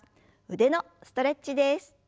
腕のストレッチです。